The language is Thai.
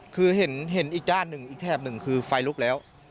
คือเห็นอีกด้านหนึ่งอีกแถบหนึ่งคือไฟลุกแล้ว